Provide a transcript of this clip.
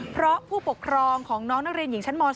เพราะผู้ปกครองของน้องนักเรียนหญิงชั้นม๒